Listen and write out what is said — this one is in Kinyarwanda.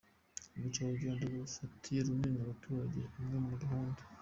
Ubukerarugendo bufatiye runini abaturage. Imwe muri gahunda